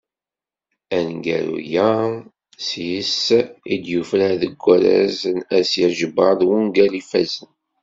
Aneggaru-a s yis-s i d-yufrar deg warraz n Asya Ǧebbar n wungal ifazzen.